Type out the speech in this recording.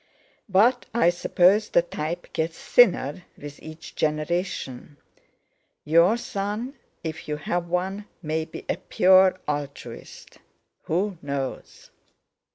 But I suppose the type gets thinner with each generation. Your son, if you have one, may be a pure altruist; who knows?"